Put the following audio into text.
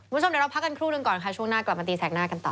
คุณผู้ชมเดี๋ยวเราพักกันครู่หนึ่งก่อนค่ะช่วงหน้ากลับมาตีแสกหน้ากันต่อ